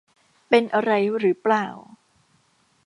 เป็นอะไรหรือเปล่า